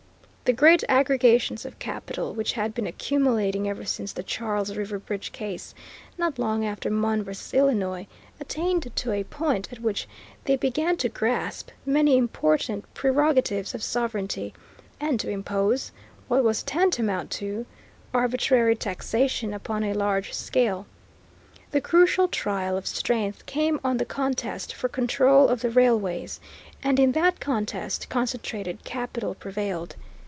The great aggregations of capital, which had been accumulating ever since the Charles River Bridge Case, not long after Munn v. Illinois attained to a point at which they began to grasp many important prerogatives of sovereignty, and to impose, what was tantamount to, arbitrary taxation upon a large scale. The crucial trial of strength came on the contest for control of the railways, and in that contest concentrated capital prevailed.